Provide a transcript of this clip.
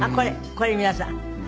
これ皆さん。